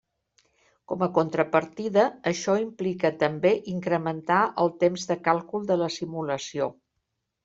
Com a contrapartida, això implica també incrementar el temps de càlcul de la simulació.